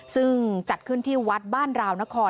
ซึ่งจัดขึ้นที่วัดบ้านราวนคร